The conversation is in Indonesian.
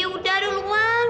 udah aduh luan